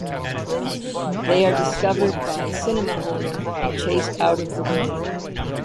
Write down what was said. They are discovered by the cinema owner and chased out of the room.